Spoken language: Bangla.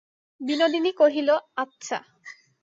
বিনোদিনী কহিল, আচ্ছা।